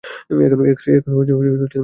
এখনো নেশা করে আছি।